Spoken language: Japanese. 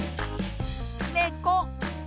ねこ。